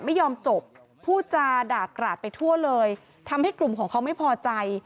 ไม่ยอมจบพูดจาด่ากราดไปทั่วเลยทำให้กลุ่มของเขาไม่พอใจ